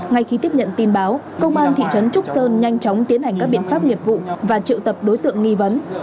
ngay khi tiếp nhận tin báo công an thị trấn trúc sơn nhanh chóng tiến hành các biện pháp nghiệp vụ và triệu tập đối tượng nghi vấn